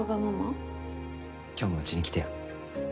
今日もうちに来てよ。